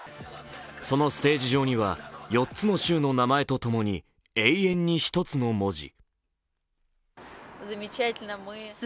そのステージ上には、４つの州の名前とともに、「永遠に一つ」の文字。